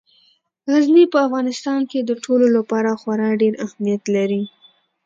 غزني په افغانستان کې د ټولو لپاره خورا ډېر اهمیت لري.